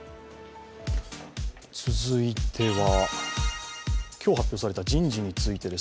続いては今日発表された人事についてです。